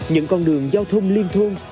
những con đường giao thông liên thôn